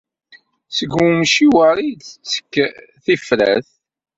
Seg wemciweṛ ay d-tettekk tifrat.